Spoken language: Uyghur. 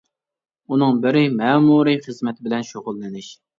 ئۇنىڭ بىرى مەمۇرىي خىزمەت بىلەن شۇغۇللىنىش.